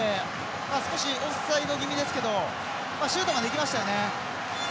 少しオフサイド気味ですけどシュートまでいきましたよね。